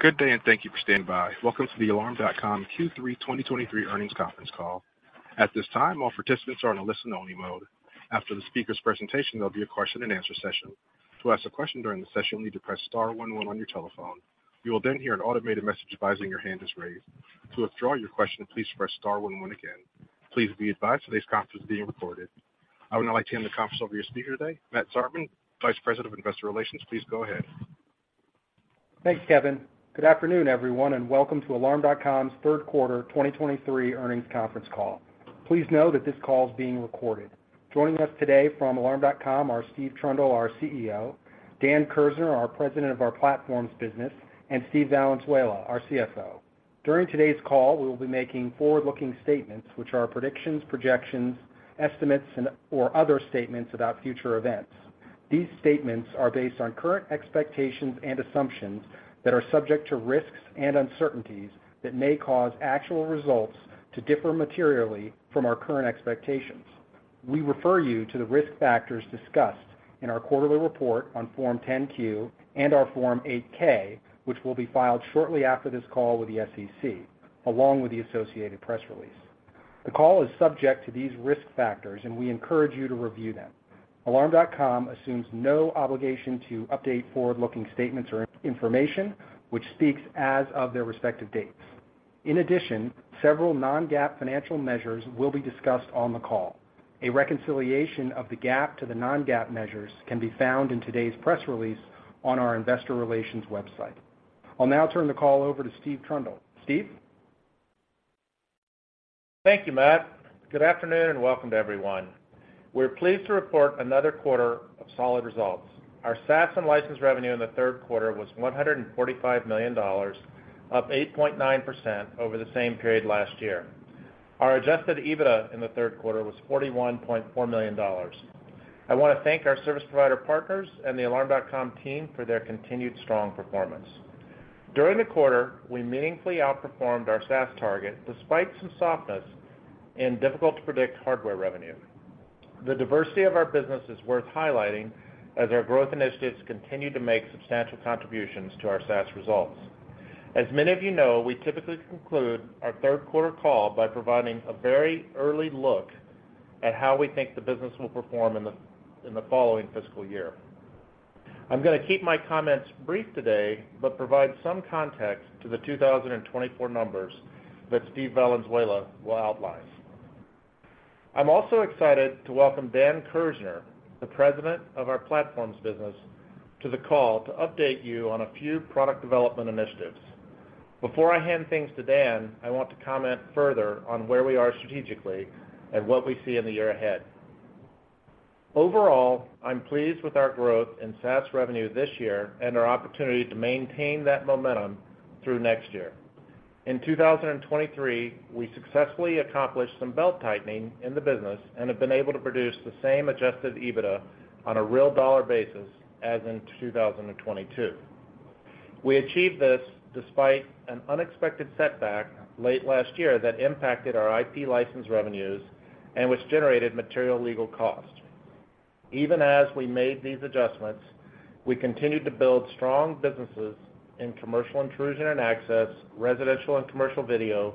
Good day, and thank you for standing by. Welcome to the Alarm.com Q3 2023 Earnings Conference Call. At this time, all participants are on a listen-only mode. After the speaker's presentation, there'll be a question-and-answer session. To ask a question during the session, you'll need to press star one one on your telephone. You will then hear an automated message advising your hand is raised. To withdraw your question, please press star one one again. Please be advised today's conference is being recorded. I would now like to hand the conference over to your speaker today, Matt Zartman, Vice President of Investor Relations. Please go ahead. Thanks, Kevin. Good afternoon, everyone, and welcome to Alarm.com's Third Quarter 2023 Earnings Conference Call. Please know that this call is being recorded. Joining us today from Alarm.com are Steve Trundle, our CEO, Dan Kerzner, our President of our Platforms Business, and Steve Valenzuela, our CFO. During today's call, we will be making forward-looking statements, which are predictions, projections, estimates, and/or other statements about future events. These statements are based on current expectations and assumptions that are subject to risks and uncertainties that may cause actual results to differ materially from our current expectations. We refer you to the risk factors discussed in our quarterly report on Form 10-Q and our Form 8-K, which will be filed shortly after this call with the SEC, along with the associated press release. The call is subject to these risk factors, and we encourage you to review them. Alarm.com assumes no obligation to update forward-looking statements or information, which speaks as of their respective dates. In addition, several non-GAAP financial measures will be discussed on the call. A reconciliation of the GAAP to the non-GAAP measures can be found in today's press release on our investor relations website. I'll now turn the call over to Steve Trundle. Steve? Thank you, Matt. Good afternoon, and welcome to everyone. We're pleased to report another quarter of solid results. Our SaaS and license revenue in the third quarter was $145 million, up 8.9% over the same period last year. Our Adjusted EBITDA in the third quarter was $41.4 million. I wanna thank our service provider partners and the Alarm.com team for their continued strong performance. During the quarter, we meaningfully outperformed our SaaS target, despite some softness in difficult-to-predict hardware revenue. The diversity of our business is worth highlighting as our growth initiatives continue to make substantial contributions to our SaaS results. As many of you know, we typically conclude our third quarter call by providing a very early look at how we think the business will perform in the following fiscal year. I'm gonna keep my comments brief today, but provide some context to the 2024 numbers that Steve Valenzuela will outline. I'm also excited to welcome Dan Kerzner, the President of our Platforms Business, to the call to update you on a few product development initiatives. Before I hand things to Dan, I want to comment further on where we are strategically and what we see in the year ahead. Overall, I'm pleased with our growth in SaaS revenue this year and our opportunity to maintain that momentum through next year. In 2023, we successfully accomplished some belt-tightening in the business and have been able to produce the same Adjusted EBITDA on a real dollar basis as in 2022. We achieved this despite an unexpected setback late last year that impacted our IP license revenues and which generated material legal costs. Even as we made these adjustments, we continued to build strong businesses in commercial intrusion and access, residential and commercial video,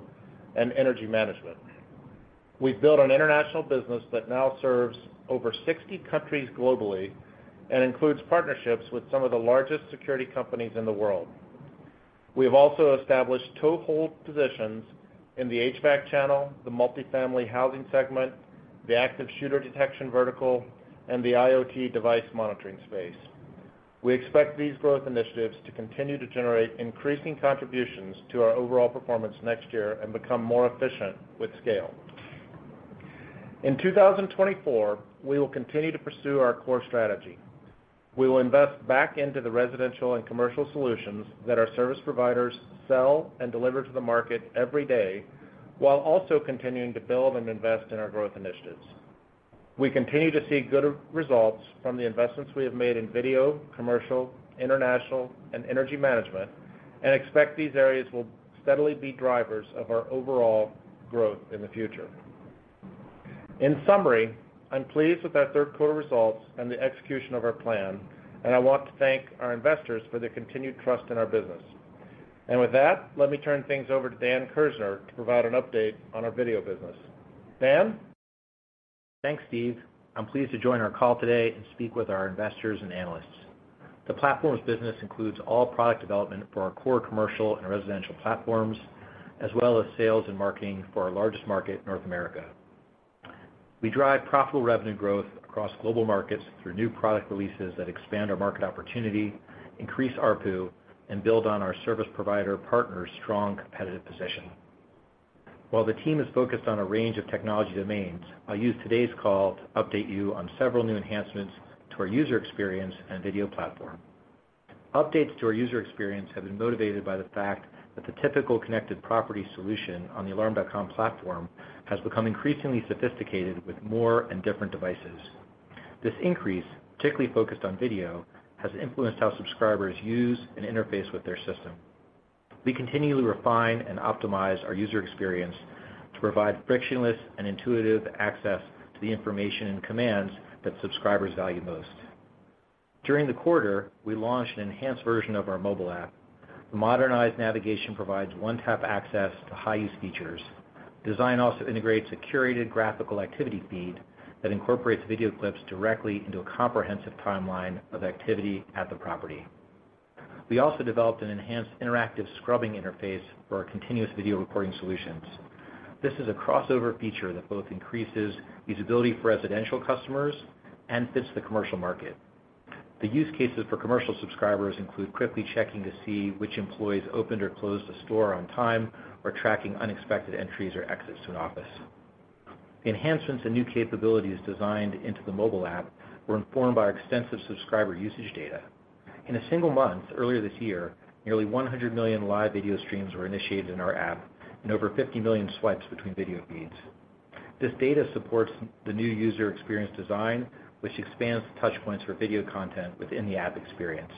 and energy management. We've built an international business that now serves over 60 countries globally and includes partnerships with some of the largest security companies in the world. We have also established toehold positions in the HVAC channel, the multifamily housing segment, the active shooter detection vertical, and the IoT device monitoring space. We expect these growth initiatives to continue to generate increasing contributions to our overall performance next year and become more efficient with scale. In 2024, we will continue to pursue our core strategy. We will invest back into the residential and commercial solutions that our service providers sell and deliver to the market every day, while also continuing to build and invest in our growth initiatives. We continue to see good results from the investments we have made in video, commercial, international, and energy management, and expect these areas will steadily be drivers of our overall growth in the future. In summary, I'm pleased with our third quarter results and the execution of our plan, and I want to thank our investors for their continued trust in our business. With that, let me turn things over to Dan Kerzner to provide an update on our video business. Dan? Thanks, Steve. I'm pleased to join our call today and speak with our investors and analysts. The Platforms business includes all product development for our core commercial and residential platforms, as well as sales and marketing for our largest market, North America. We drive profitable revenue growth across global markets through new product releases that expand our market opportunity, increase ARPU, and build on our service provider partners' strong competitive position. While the team is focused on a range of technology domains, I'll use today's call to update you on several new enhancements to our user experience and video platform. Updates to our user experience have been motivated by the fact that the typical connected property solution on the Alarm.com platform has become increasingly sophisticated with more and different devices. This increase, particularly focused on video, has influenced how subscribers use and interface with their system. We continually refine and optimize our user experience to provide frictionless and intuitive access to the information and commands that subscribers value most. During the quarter, we launched an enhanced version of our mobile app. The modernized navigation provides one-tap access to high-use features. Design also integrates a curated graphical activity feed that incorporates video clips directly into a comprehensive timeline of activity at the property. We also developed an enhanced interactive scrubbing interface for our continuous video recording solutions. This is a crossover feature that both increases usability for residential customers and fits the commercial market. The use cases for commercial subscribers include quickly checking to see which employees opened or closed the store on time, or tracking unexpected entries or exits to an office. The enhancements and new capabilities designed into the mobile app were informed by our extensive subscriber usage data. In a single month, earlier this year, nearly 100 million live video streams were initiated in our app and over 50 million swipes between video feeds. This data supports the new user experience design, which expands the touch points for video content within the app experience.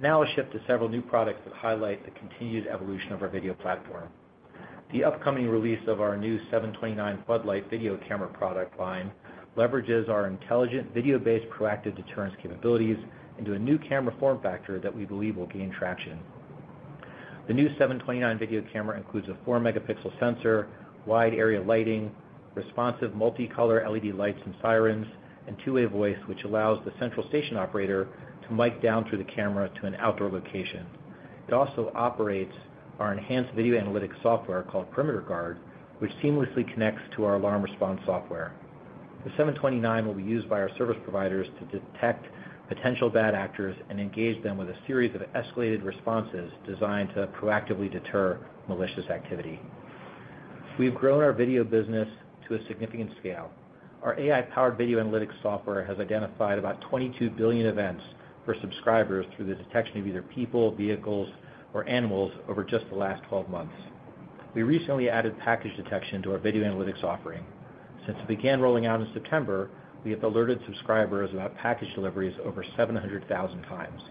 Now, I'll shift to several new products that highlight the continued evolution of our video platform. The upcoming release of our new 729 floodlight video camera product line leverages our intelligent, video-based, proactive deterrence capabilities into a new camera form factor that we believe will gain traction. The new 729 video camera includes a four-megapixel sensor, wide area lighting, responsive multicolor LED lights and sirens, and two-way voice, which allows the central station operator to mic down through the camera to an outdoor location. It also operates our enhanced video analytics software called Perimeter Guard, which seamlessly connects to our alarm response software. The 729 will be used by our service providers to detect potential bad actors and engage them with a series of escalated responses designed to proactively deter malicious activity. We've grown our video business to a significant scale. Our AI-powered video analytics software has identified about 22 billion events for subscribers through the detection of either people, vehicles, or animals over just the last 12 months. We recently added package detection to our video analytics offering. Since it began rolling out in September, we have alerted subscribers about package deliveries over 700,000 times.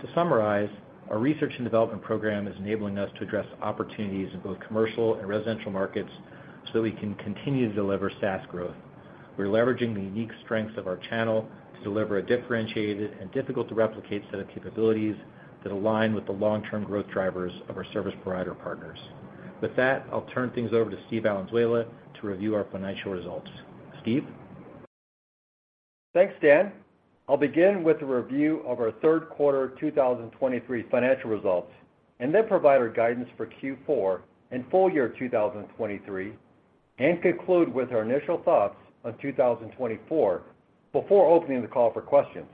To summarize, our research and development program is enabling us to address opportunities in both commercial and residential markets, so we can continue to deliver SaaS growth. We're leveraging the unique strengths of our channel to deliver a differentiated and difficult-to-replicate set of capabilities that align with the long-term growth drivers of our service provider partners. With that, I'll turn things over to Steve Valenzuela to review our financial results. Steve? Thanks, Dan. I'll begin with a review of our third quarter 2023 financial results, and then provide our guidance for Q4 and full year 2023, and conclude with our initial thoughts on 2024 before opening the call for questions.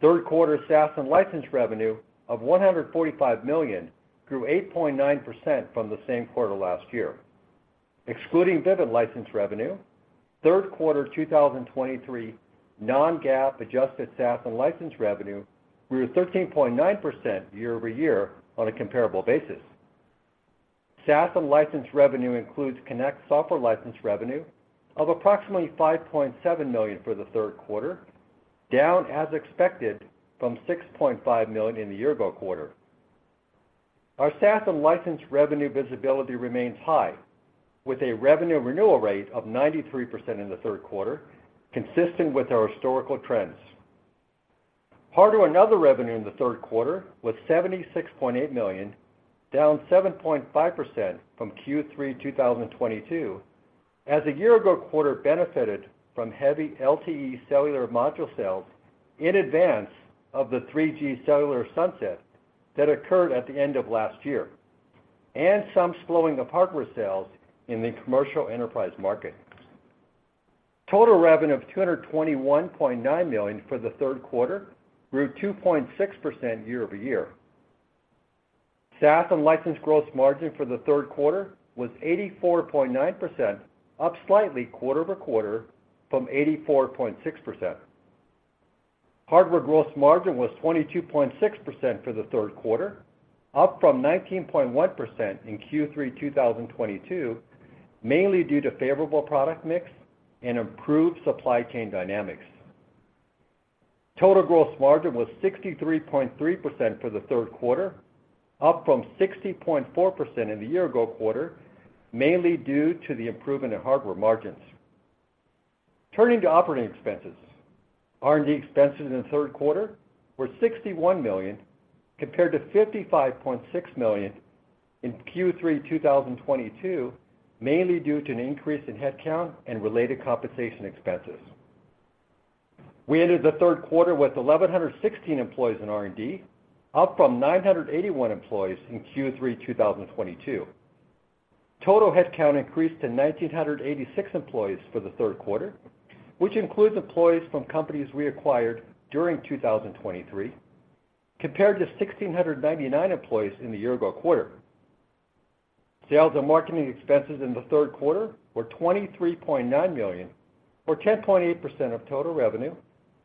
Third quarter SaaS and license revenue of $145 million, grew 8.9% from the same quarter last year. Excluding Vivint license revenue, third quarter 2023 non-GAAP adjusted SaaS and license revenue grew 13.9% year-over-year on a comparable basis. SaaS and license revenue includes Connect software license revenue of approximately $5.7 million for the third quarter, down, as expected, from $6.5 million in the year-ago quarter. Our SaaS and license revenue visibility remains high, with a revenue renewal rate of 93% in the third quarter, consistent with our historical trends. Hardware and other revenue in the third quarter was $76.8 million, down 7.5% from Q3 2022, as the year-ago quarter benefited from heavy LTE cellular module sales in advance of the 3G cellular sunset that occurred at the end of last year, and some slowing of hardware sales in the commercial enterprise market. Total revenue of $221.9 million for the third quarter grew 2.6% year-over-year. SaaS and license gross margin for the third quarter was 84.9%, up slightly quarter-over-quarter from 84.6%. Hardware gross margin was 22.6% for the third quarter, up from 19.1% in Q3 2022, mainly due to favorable product mix and improved supply chain dynamics. Total gross margin was 63.3% for the third quarter, up from 60.4% in the year-ago quarter, mainly due to the improvement in hardware margins. Turning to operating expenses. R&D expenses in the third quarter were $61 million, compared to $55.6 million in Q3 2022, mainly due to an increase in headcount and related compensation expenses. We ended the third quarter with 1,116 employees in R&D, up from 981 employees in Q3 2022. Total headcount increased to 1,986 employees for the third quarter, which includes employees from companies we acquired during 2023, compared to 1,699 employees in the year-ago quarter. Sales and marketing expenses in the third quarter were $23.9 million, or 10.8% of total revenue,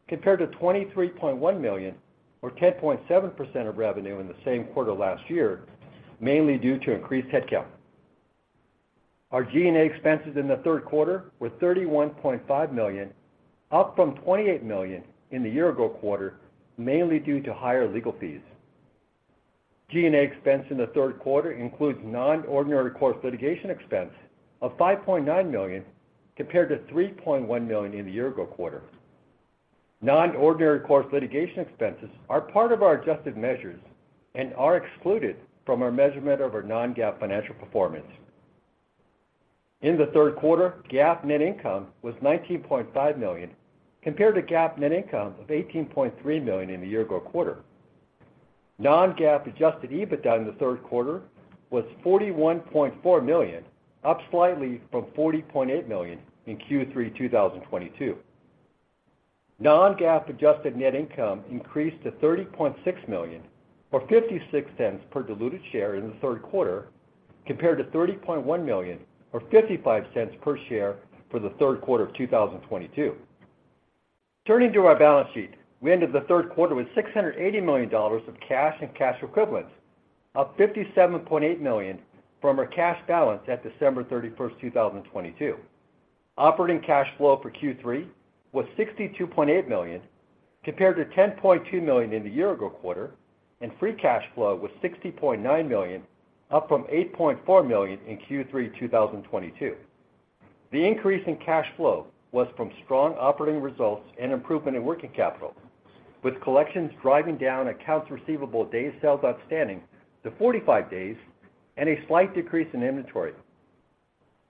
compared to $23.1 million, or 10.7% of revenue in the same quarter last year, mainly due to increased headcount. Our G&A expenses in the third quarter were $31.5 million, up from $28 million in the year ago quarter, mainly due to higher legal fees. G&A expense in the third quarter includes non-ordinary course litigation expense of $5.9 million, compared to $3.1 million in the year ago quarter. Non-ordinary course litigation expenses are part of our adjusted measures and are excluded from our measurement of our non-GAAP financial performance. In the third quarter, GAAP net income was $19.5 million, compared to GAAP net income of $18.3 million in the year ago quarter. Non-GAAP adjusted EBITDA in the third quarter was $41.4 million, up slightly from $40.8 million in Q3 2022. Non-GAAP adjusted net income increased to $30.6 million, or $0.56 per diluted share in the third quarter, compared to $30.1 million, or $0.55 per share for the third quarter of 2022. Turning to our balance sheet, we ended the third quarter with $680 million of cash and cash equivalents, up $57.8 million from our cash balance at December 31st, 2022. Operating cash flow for Q3 was $62.8 million, compared to $10.2 million in the year ago quarter, and free cash flow was $60.9 million, up from $8.4 million in Q3 2022. The increase in cash flow was from strong operating results and improvement in working capital, with collections driving down accounts receivable days sales outstanding to 45 days and a slight decrease in inventory.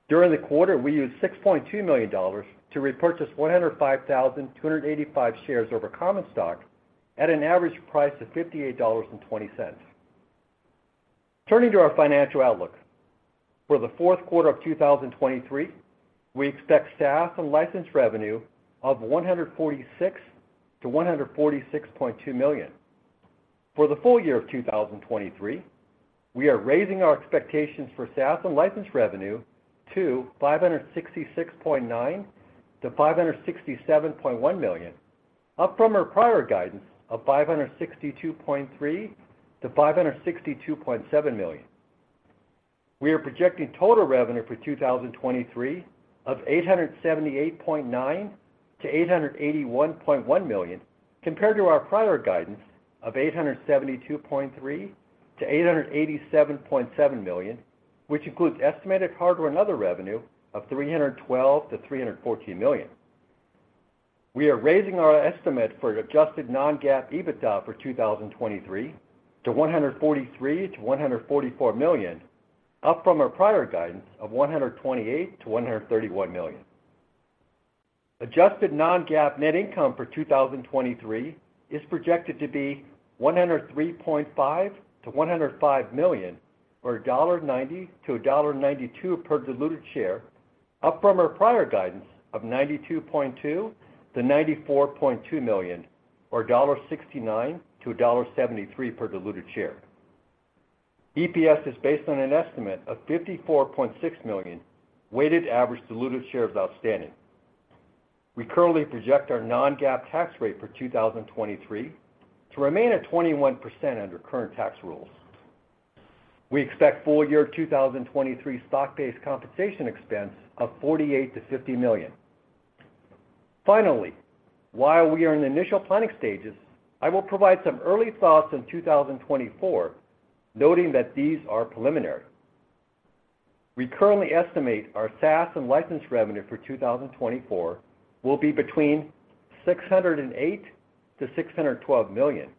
During the quarter, we used $6.2 million to repurchase 105,285 shares of our common stock at an average price of $58.20. Turning to our financial outlook. For the fourth quarter of 2023, we expect SaaS and license revenue of $146 million-$146.2 million. For the full year of 2023, we are raising our expectations for SaaS and license revenue to $566.9 million-$567.1 million, up from our prior guidance of $562.3 million-$562.7 million. We are projecting total revenue for 2023 of $878.9 million-$881.1 million, compared to our prior guidance of $872.3 million-$887.7 million, which includes estimated hardware and other revenue of $312 million-$314 million. We are raising our estimate for adjusted non-GAAP EBITDA for 2023 to $143 million-$144 million, up from our prior guidance of $128 million-$131 million. Adjusted non-GAAP net income for 2023 is projected to be $103.5 million-$105 million, or $1.90-$1.92 per diluted share, up from our prior guidance of $92.2 million-$94.2 million or $1.69-$1.73 per diluted share. EPS is based on an estimate of 54.6 million weighted average diluted shares outstanding. We currently project our non-GAAP tax rate for 2023 to remain at 21% under current tax rules. We expect full year 2023 stock-based compensation expense of $48 million-$50 million. Finally, while we are in the initial planning stages, I will provide some early thoughts on 2024, noting that these are preliminary. We currently estimate our SaaS and license revenue for 2024 will be between $608 million-$612 million.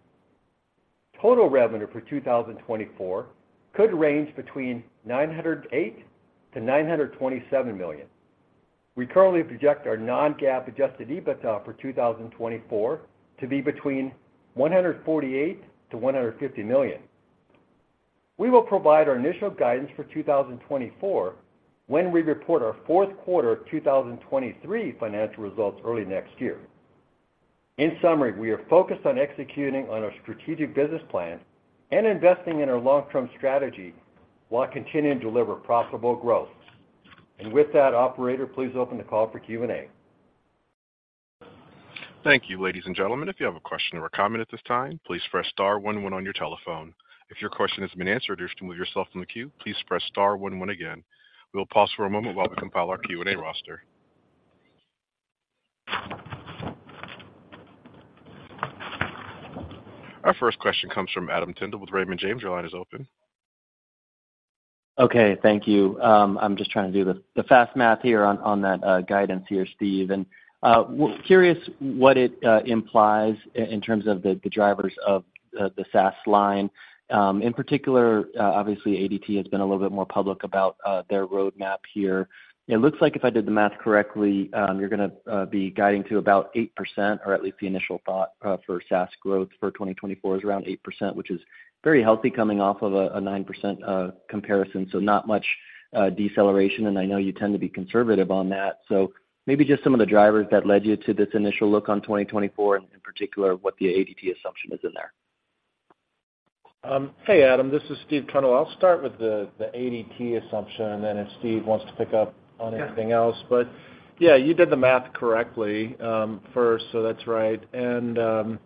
Total revenue for 2024 could range between $908 million and $927 million. We currently project our non-GAAP adjusted EBITDA for 2024 to be between $148 million and $150 million. We will provide our initial guidance for 2024 when we report our fourth quarter of 2023 financial results early next year. In summary, we are focused on executing on our strategic business plan and investing in our long-term strategy, while continuing to deliver profitable growth. With that, operator, please open the call for Q&A. Thank you, ladies and gentlemen. If you have a question or a comment at this time, please press star one one on your telephone. If your question has been answered, or wish to remove yourself from the queue, please press star one one again. We will pause for a moment while we compile our Q&A roster. Our first question comes from Adam Tindle with Raymond James. Your line is open. Okay, thank you. I'm just trying to do the fast math here on that guidance here, Steve. And we're curious what it implies in terms of the drivers of the SaaS line. In particular, obviously, ADT has been a little bit more public about their roadmap here. It looks like if I did the math correctly, you're gonna be guiding to about 8%, or at least the initial thought for SaaS growth for 2024 is around 8%, which is very healthy coming off of a 9% comparison, so not much deceleration, and I know you tend to be conservative on that. So maybe just some of the drivers that led you to this initial look on 2024, and in particular, what the ADT assumption is in there. Hey, Adam, this is Steve Trundle. I'll start with the ADT assumption, and then if Steve wants to pick up on anything else. Yeah. But yeah, you did the math correctly, first, so that's right. And,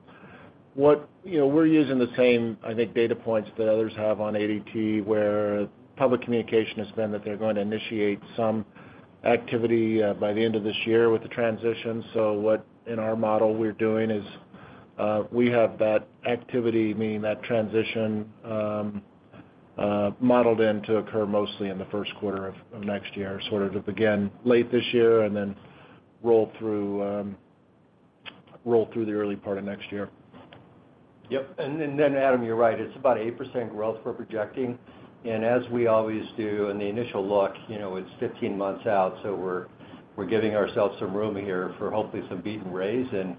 what, you know, we're using the same, I think, data points that others have on ADT, where public communication has been that they're going to initiate some activity, by the end of this year with the transition. So what, in our model, we're doing is, we have that activity, meaning that transition, modeled in to occur mostly in the first quarter of, of next year, sort of to begin late this year and then roll through, roll through the early part of next year. Yep, and then, Adam, you're right. It's about 8% growth we're projecting. And as we always do in the initial look, you know, it's 15 months out, so we're, we're giving ourselves some room here for hopefully some beat and raise. You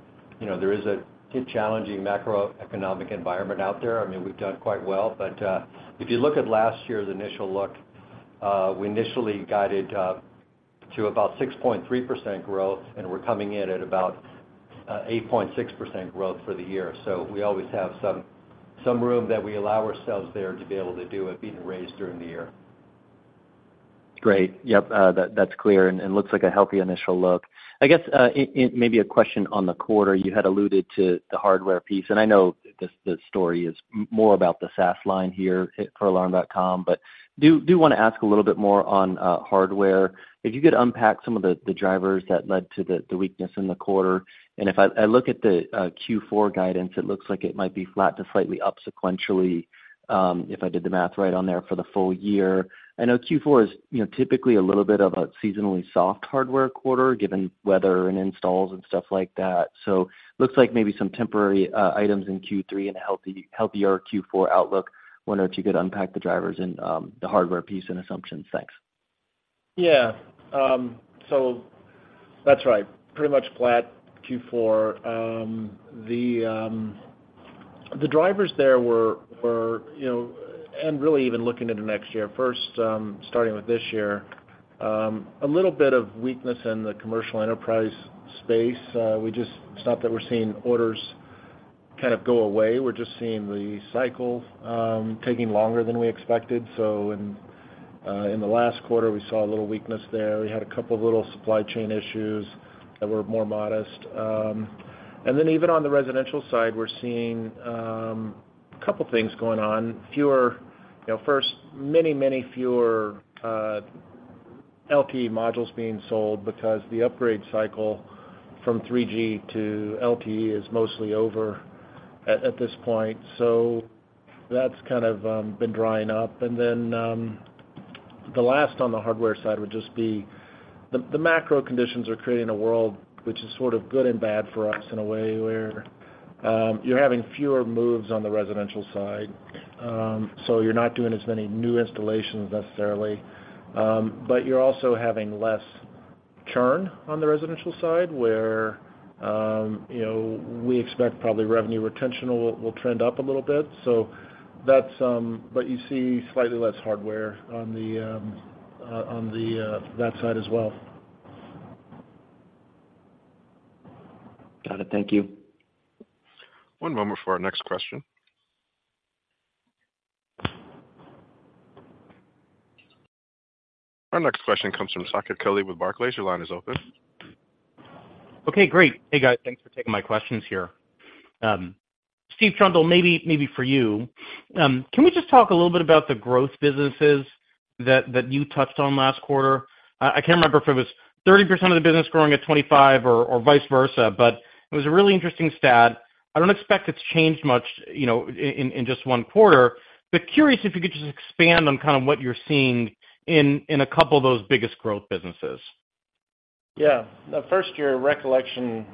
know, there is a challenging macroeconomic environment out there. I mean, we've done quite well, but if you look at last year's initial look, we initially guided to about 6.3% growth, and we're coming in at about 8.6% growth for the year. So we always have some, some room that we allow ourselves there to be able to do a beat and raise during the year. Great. Yep, that, that's clear and looks like a healthy initial look. I guess, maybe a question on the quarter, you had alluded to the hardware piece, and I know the story is more about the SaaS line here at Alarm.com, but wanna ask a little bit more on hardware. If you could unpack some of the drivers that led to the weakness in the quarter. And if I look at the Q4 guidance, it looks like it might be flat to slightly up sequentially, if I did the math right on there for the full year. I know Q4 is, you know, typically a little bit of a seasonally soft hardware quarter, given weather and installs and stuff like that. So looks like maybe some temporary items in Q3 and a healthier Q4 outlook. Wonder if you could unpack the drivers and the hardware piece and assumptions. Thanks. Yeah, so that's right. Pretty much flat Q4. The drivers there were, you know, and really even looking into next year. First, starting with this year, a little bit of weakness in the commercial enterprise space. We just, it's not that we're seeing orders kind of go away. We're just seeing the cycle taking longer than we expected. So in the last quarter, we saw a little weakness there. We had a couple of little supply chain issues that were more modest. And then even on the residential side, we're seeing a couple of things going on. Fewer, you know, first, many fewer LTE modules being sold because the upgrade cycle from 3G to LTE is mostly over at this point. So that's kind of been drying up. Then, the last on the hardware side would just be the macro conditions are creating a world which is sort of good and bad for us in a way where you're having fewer moves on the residential side. So you're not doing as many new installations necessarily, but you're also having less churn on the residential side, where you know, we expect probably revenue retention will trend up a little bit. So that's but you see slightly less hardware on that side as well. Got it. Thank you. One moment for our next question. Our next question comes from Saket Kalia with Barclays. Your line is open. Okay, great. Hey, guys. Thanks for taking my questions here. Steve Trundle, maybe for you. Can we just talk a little bit about the growth businesses that you touched on last quarter? I can't remember if it was 30% of the business growing at 25 or vice versa, but it was a really interesting stat. I don't expect it's changed much, you know, in just one quarter. But curious, if you could just expand on kind of what you're seeing in a couple of those biggest growth businesses. Yeah. First, your recollection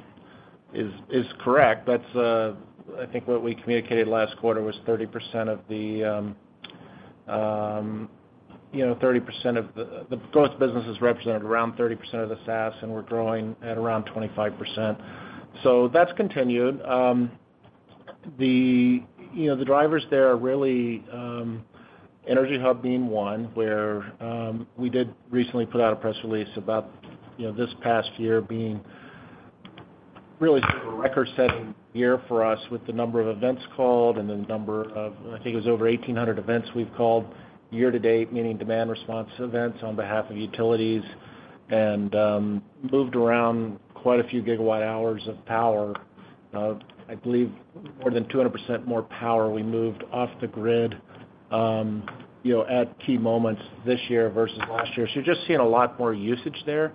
is correct. That's, I think what we communicated last quarter was 30% of the, you know, 30% of the growth business is represented around 30% of the SaaS, and we're growing at around 25%. So that's continued. You know, the drivers there are really, EnergyHub being one, where, we did recently put out a press release about, you know, this past year being really sort of a record-setting year for us with the number of events called and the number of I think it was over 1,800 events we've called year to date, meaning demand response events on behalf of utilities, and, moved around quite a few gigawatt hours of power. I believe more than 200% more power we moved off the grid, you know, at key moments this year versus last year. So you're just seeing a lot more usage there,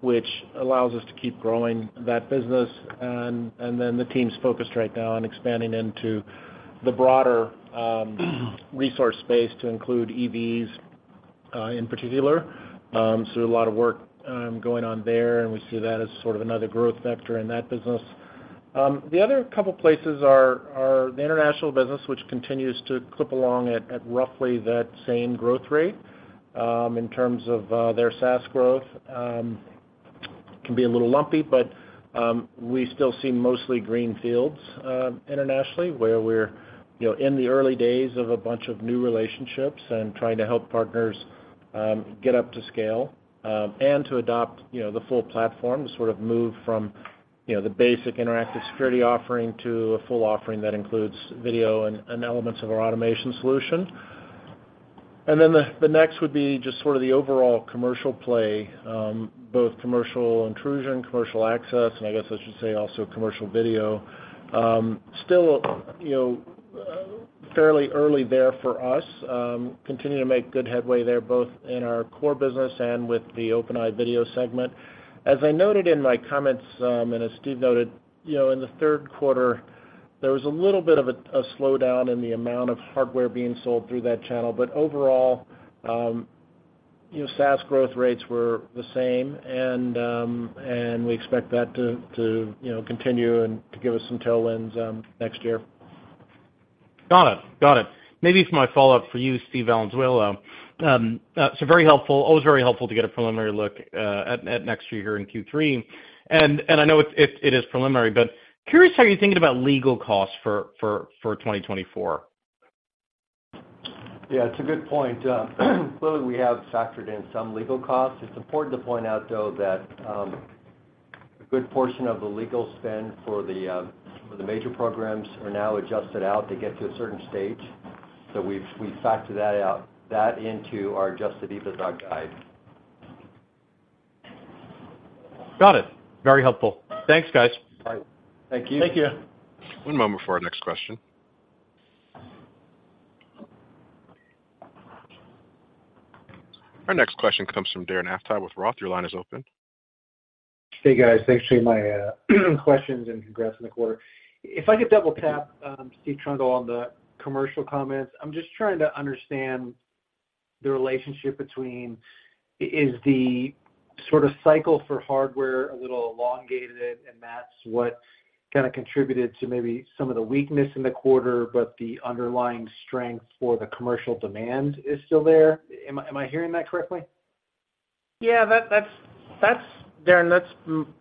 which allows us to keep growing that business. And then the team's focused right now on expanding into the broader resource space to include EVs, in particular. So a lot of work going on there, and we see that as sort of another growth vector in that business. The other couple places are the international business, which continues to clip along at roughly that same growth rate. In terms of their SaaS growth can be a little lumpy, but we still see mostly green fields internationally, where we're you know in the early days of a bunch of new relationships and trying to help partners get up to scale and to adopt you know the full platform, to sort of move from you know the basic interactive security offering to a full offering that includes video and and elements of our automation solution. And then the next would be just sort of the overall commercial play both commercial intrusion, commercial access, and I guess I should say also commercial video. Still you know fairly early there for us. Continue to make good headway there, both in our core business and with the OpenEye video segment. As I noted in my comments, and as Steve noted, you know, in the third quarter, there was a little bit of a slowdown in the amount of hardware being sold through that channel. But overall, you know, SaaS growth rates were the same, and we expect that to you know, continue and to give us some tailwinds, next year. Got it. Got it. Maybe for my follow-up for you, Steve Valenzuela. So very helpful, always very helpful to get a preliminary look at next year here in Q3. And I know it is preliminary, but curious how you're thinking about legal costs for 2024? Yeah, it's a good point. Clearly, we have factored in some legal costs. It's important to point out, though, that a good portion of the legal spend for the major programs are now adjusted out to get to a certain stage. So we factor that out, that into our Adjusted EBITDA guide. Got it. Very helpful. Thanks, guys. Bye. Thank you. Thank you. One moment before our next question. Our next question comes from Darren Aftahi with Roth. Your line is open. Hey, guys. Thanks for taking my questions, and congrats on the quarter. If I could double tap, Steve Trundle on the commercial comments. I'm just trying to understand the relationship between, is the sort of cycle for hardware a little elongated, and that's what kind of contributed to maybe some of the weakness in the quarter, but the underlying strength for the commercial demand is still there? Am I, am I hearing that correctly? Yeah, that's Darren, that's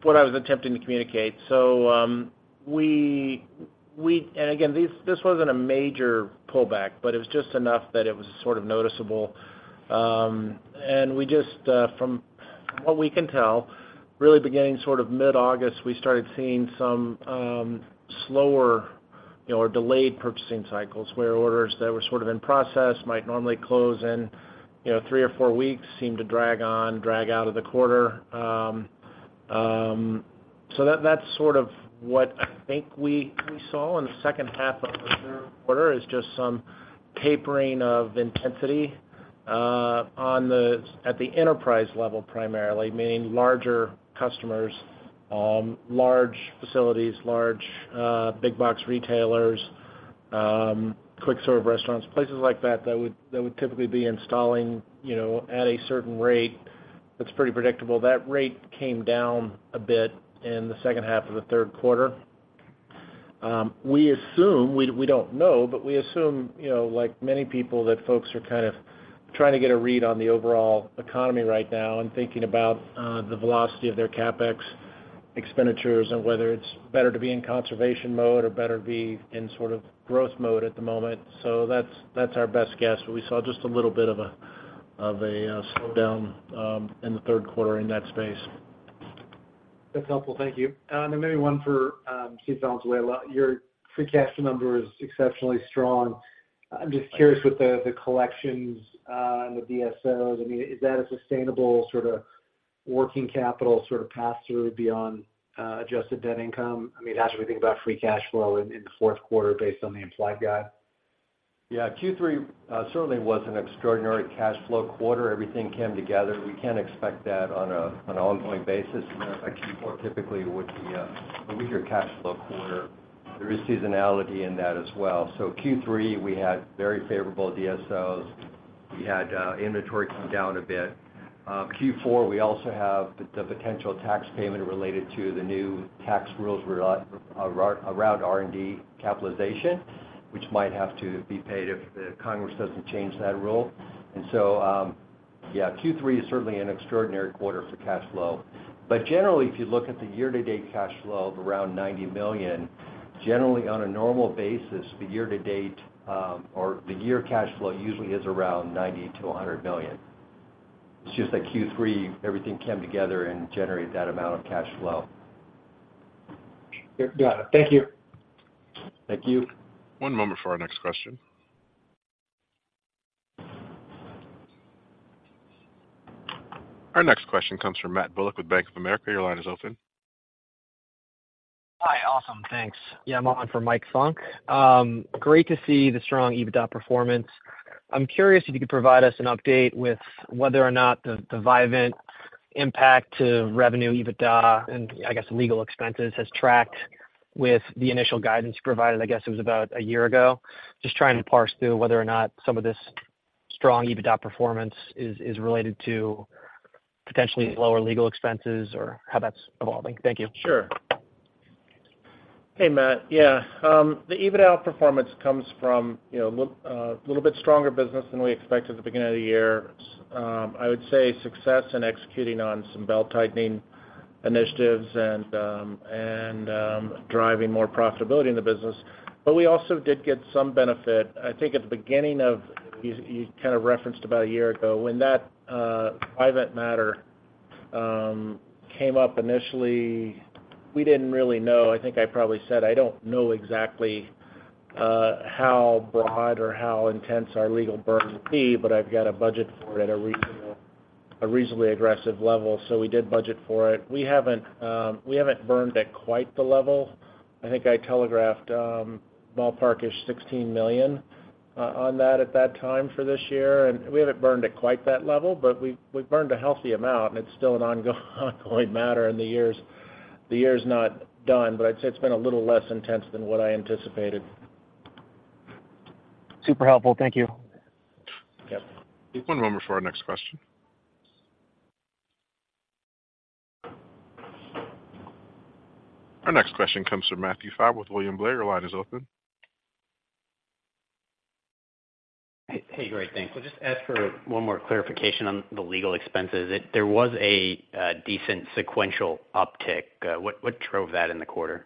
what I was attempting to communicate. So, we and again, this wasn't a major pullback, but it was just enough that it was sort of noticeable. And we just, from what we can tell, really beginning sort of mid-August, we started seeing some slower, you know, or delayed purchasing cycles, where orders that were sort of in process might normally close in, you know, three or four weeks, seem to drag on, drag out of the quarter. So that, that's sort of what I think we saw in the second half of the third quarter, is just some tapering of intensity at the enterprise level, primarily, meaning larger customers, large facilities, large big box retailers, quick serve restaurants, places like that, that would typically be installing, you know, at a certain rate. That's pretty predictable. That rate came down a bit in the second half of the third quarter. We assume, we don't know, but we assume, you know, like many people, that folks are kind of trying to get a read on the overall economy right now and thinking about the velocity of their CapEx expenditures and whether it's better to be in conservation mode or better be in sort of growth mode at the moment. So that's our best guess, but we saw just a little bit of a slowdown in the third quarter in that space. That's helpful. Thank you. And then maybe one for Steve Valenzuela. Your free cash number is exceptionally strong. I'm just curious with the collections and the DSOs. I mean, is that a sustainable sort of working capital sort of pass-through beyond adjusted debt income? I mean, as we think about free cash flow in the fourth quarter based on the implied guide. Yeah, Q3 certainly was an extraordinary cash flow quarter. Everything came together. We can't expect that on a, on an ongoing basis. You know, Q4 typically would be a, a weaker cash flow quarter. There is seasonality in that as well. So Q3, we had very favorable DSOs. We had, inventory come down a bit. Q4, we also have the, the potential tax payment related to the new tax rules around, around R&D capitalization, which might have to be paid if the Congress doesn't change that rule. And so, yeah, Q3 is certainly an extraordinary quarter for cash flow. But generally, if you look at the year-to-date cash flow of around $90 million, generally on a normal basis, the year to date, or the year cash flow usually is around $90-$100 million. It's just that Q3, everything came together and generated that amount of cash flow. Got it. Thank you. Thank you. One moment for our next question. Our next question comes from Matt Bullock with Bank of America. Your line is open. Hi, awesome. Thanks. Yeah, I'm on for Mike Funk. Great to see the strong EBITDA performance. I'm curious if you could provide us an update with whether or not the Vivint impact to revenue, EBITDA, and I guess, legal expenses, has tracked with the initial guidance you provided, I guess it was about a year ago? Just trying to parse through whether or not some of this strong EBITDA performance is related to potentially lower legal expenses or how that's evolving. Thank you. Sure. Hey, Matt. Yeah, the EBITDA performance comes from, you know, a little bit stronger business than we expected at the beginning of the year. I would say success in executing on some belt-tightening initiatives and driving more profitability in the business. But we also did get some benefit, I think at the beginning of you kind of referenced about a year ago when that Vivint matter came up initially, we didn't really know. I think I probably said I don't know exactly how broad or how intense our legal burden will be, but I've got a budget for it at a reasonably aggressive level, so we did budget for it. We haven't burned at quite the level. I think I telegraphed ballpark-ish $16 million on that at that time for this year, and we haven't burned at quite that level, but we've burned a healthy amount, and it's still an ongoing matter, and the year's not done. But I'd say it's been a little less intense than what I anticipated. Super helpful. Thank you. Yep. One moment for our next question. Our next question comes from Matthew Pfau with William Blair. Your line is open. Hey, hey, great. Thanks. Just ask for one more clarification on the legal expenses. There was a decent sequential uptick. What drove that in the quarter?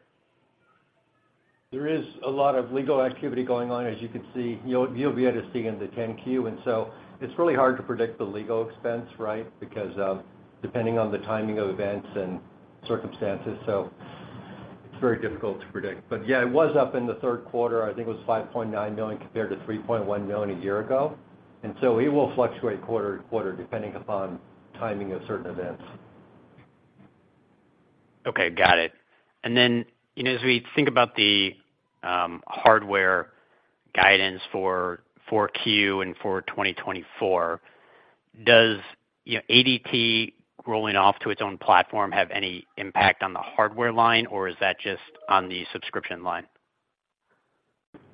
There is a lot of legal activity going on, as you can see. You'll, you'll be able to see it in the 10-Q, and so it's really hard to predict the legal expense, right? Because, depending on the timing of events and circumstances, so it's very difficult to predict. But yeah, it was up in the third quarter. I think it was $5.9 million compared to $3.1 million a year ago, and so it will fluctuate quarter to quarter, depending upon timing of certain events. Okay, got it. And then, you know, as we think about the hardware guidance for Q4 and for 2024, does, you know, ADT rolling off to its own platform have any impact on the hardware line, or is that just on the subscription line?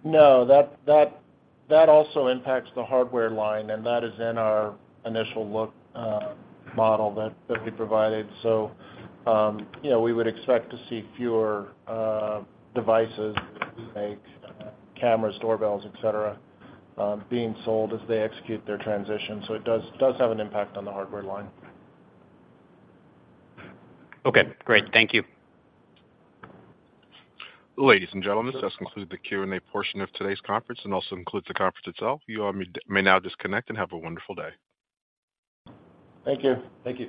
No, that also impacts the hardware line, and that is in our initial look, model that we provided. So, you know, we would expect to see fewer devices, cameras, doorbells, et cetera, being sold as they execute their transition. So it does have an impact on the hardware line. Okay, great. Thank you. Ladies and gentlemen, this concludes the Q&A portion of today's conference and also concludes the conference itself. You all may now disconnect and have a wonderful day. Thank you. Thank you.